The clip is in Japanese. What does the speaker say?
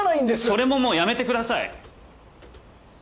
それももうやめてください。